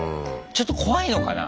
ちょっと怖いのかな。